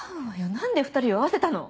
何で２人を会わせたの！